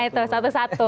nah itu satu satu